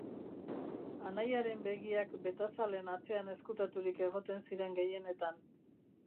Anaiaren begiak betazalen atzean ezkutaturik egoten ziren gehienetan.